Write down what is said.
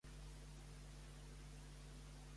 Estaria bé posar reggaeton.